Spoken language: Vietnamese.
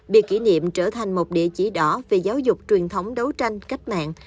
biệt kỷ niệm trở thành một địa chỉ đỏ về giáo dục truyền thống đấu tranh cách mạng